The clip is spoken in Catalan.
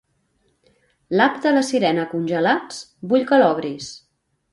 L'app de La Sirena Congelats, vull que l'obris.